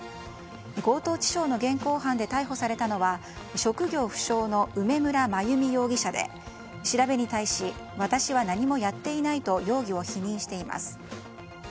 強盗致傷の現行犯で逮捕されたのは職業不詳の梅村真由美容疑者で調べに対し私は何もやっていないと容疑を否認しています。